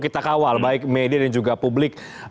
kita kawal baik media dan juga publik